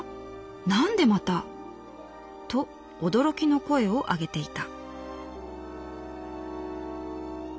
なんでまた！？』と驚きの声を上げていた」。